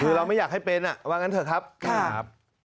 คือเราไม่อยากให้เป็นว่างั้นเถอะครับ